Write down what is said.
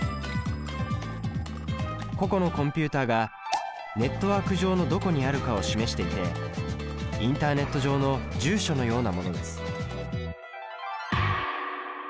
個々のコンピュータがネットワーク上のどこにあるかを示していてインターネット上の住所のようなものです。